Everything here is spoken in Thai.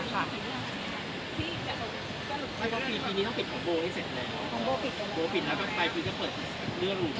ไม่ว่าทีนี้ต้องปิดของโบ้ให้เสร็จเลยโบ้ปิดแล้วก็ไปคือจะเปิดเรื่องอีก